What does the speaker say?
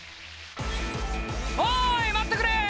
「おい待ってくれ」